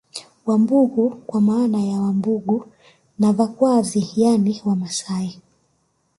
Vambughu kwa maana ya Wambugu na Vakwavi yani Wamasai